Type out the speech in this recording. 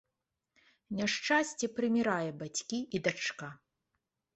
Няшчасце прымірае бацькі і дачка.